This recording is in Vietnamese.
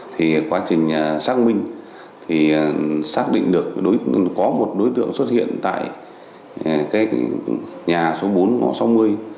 thì quá trình xác minh thì xác định được có một đối tượng xuất hiện tại cái nhà số bốn ngõ sáu mươi